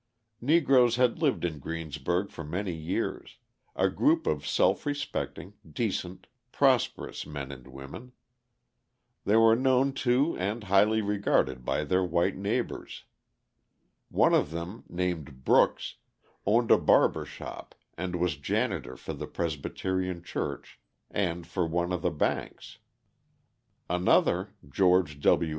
Negroes had lived in Greensburg for many years, a group of self respecting, decent, prosperous men and women. They were known to and highly regarded by their white neighbours. One of them, named Brooks, owned a barber shop and was janitor for the Presbyterian Church and for one of the banks. Another, George W.